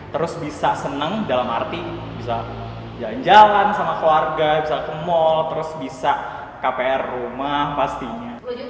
terus bisa seneng dalam arti bisa jalan jalan sama keluarga bisa ke mal terus bisa kpr rumah pastinya